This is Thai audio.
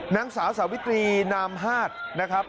นางสาวสาวิตรีนามฮาดนะครับ